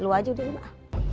lu aja udah mbak